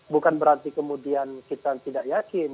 bukan berarti kemudian kita tidak yakin